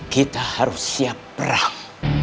kita harus siap perang